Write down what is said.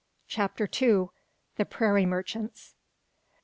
CHAPTER TWO. THE PRAIRIE MERCHANTS.